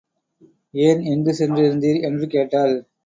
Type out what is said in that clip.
ஏன் எங்குச் சென்றிருந்தீர்? என்று கேட்டாள்.